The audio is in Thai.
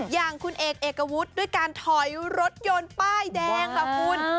อย่างคุณเอกเอกวุฒิด้วยการถอยรถยนต์ป้ายแดงค่ะคุณ